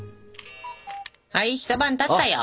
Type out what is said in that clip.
はい一晩たったよ。